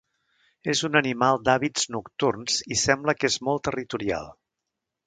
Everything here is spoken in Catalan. És un animal d'hàbits nocturns i sembla que és molt territorial.